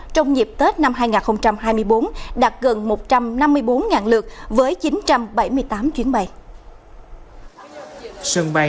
trong dịp tết năm hai nghìn hai mươi bốn đạt gần một trăm năm mươi bốn lượt với chín trăm bảy mươi tám chuyến bay